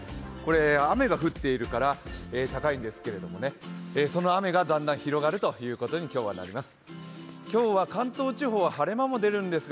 雨が降っているから高いんですけれども、その雨がだんだん広がるということに今日はなります。